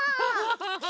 ハハハハ！